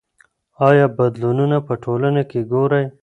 آیا بدلونونه په ټولنه کې ګورئ؟